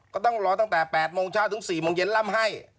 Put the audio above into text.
ก็ต้องรอตั้งแต่๘โมงเช้าถึง๔โมงเย็นล่ำให้